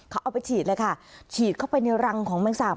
เขาเอาไปฉีดเลยค่ะฉีดเข้าไปในรังของแมงสาบ